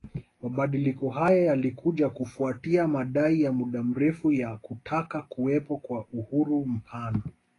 Mabadiliko haya yalikuja kufuatia madai ya muda mrefu ya kutaka kuwepo kwa uhuru mpana